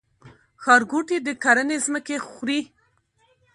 ښارګوټي د کرنې ځمکې خوري؟